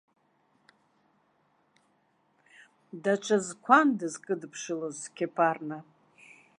Даҽа зқәан дызкыдыԥшылоз Сқьеԥарна.